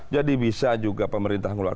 jadi bisa juga pemerintah ngelakuin